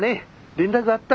連絡あった。